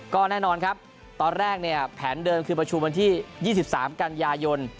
ก็แน่นอนครับตอนแรกเนี่ยแผนเดิมคือประชุมวันที่๒๓กันยายน